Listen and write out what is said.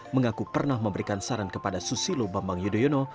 mengaku pernah memberikan saran kepada susilo bambang yudhoyono